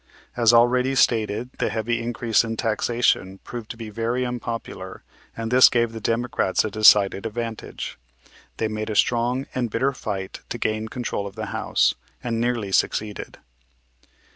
As already stated the heavy increase in taxation proved to be very unpopular and this gave the Democrats a decided advantage. They made a strong and bitter fight to gain control of the House, and nearly succeeded.